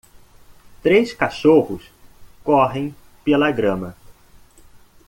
três cachorros correm pela grama.